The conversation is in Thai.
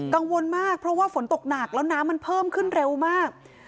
กังวลมากเพราะว่าฝนตกหนักแล้วน้ำมันเพิ่มขึ้นเร็วมาก